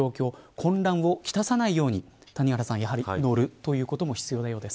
混乱を来さないようにやはり乗ることも必要なようです。